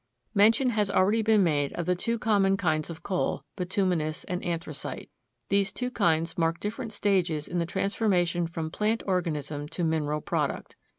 Mention has already been made of the two common kinds of coal, bituminous and anthracite. These two kinds mark different stages in the transformation from plant organism to mineral product.